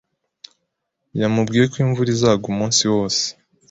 Yamubwiye ko imvura izagwa umunsi wose.